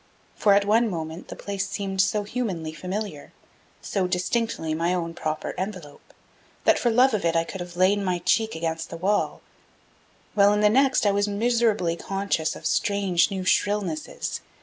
For at one moment the place seemed so humanly familiar, so distinctly my own proper envelope, that for love of it I could have laid my cheek against the wall; while in the next I was miserably conscious of strange new shrillnesses.